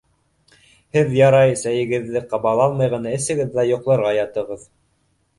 Һеҙ, ярай, сәйегеҙҙе ҡабаланмай ғына эсегеҙ ҙә йоҡларға ятығыҙ.